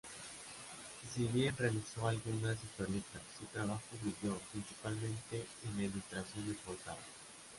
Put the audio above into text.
Si bien realizó algunas historietas su trabajo brilló principalmente en la ilustración de portadas.